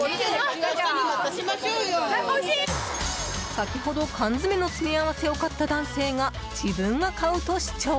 先ほど缶詰の詰め合わせを買った男性が、自分が買うと主張。